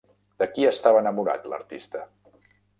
De qui estava enamorat l'artista?